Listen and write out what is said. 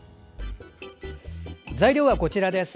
材料はこちらです。